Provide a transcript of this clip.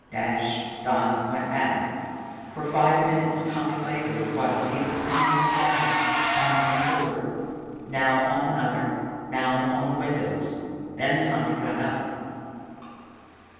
Dash dot went back. For five minutes Tommy labored, while the beetles hammered now on one door, now on another, now on the windows. Then Tommy got up.